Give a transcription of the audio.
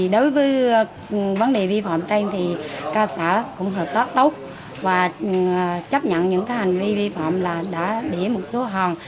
đối với vấn đề vi phạm trên thì cơ sở cũng hợp tác tốt và chấp nhận những hành vi vi phạm là đã để một số hòn